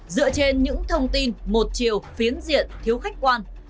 hai nghìn hai mươi hai dựa trên những thông tin một chiều phiến diện thiếu khách quan